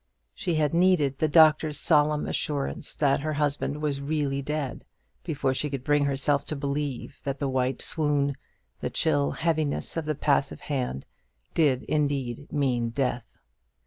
She had needed the doctor's solemn assurance that her husband was really dead before she could bring herself to believe that the white swoon, the chill heaviness of the passive hand, did indeed mean death.